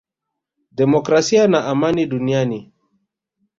demokrasia na amani duniani